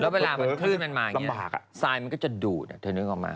มันเกิดพึทธิพลมาสายมันก็จะดูดน่ะ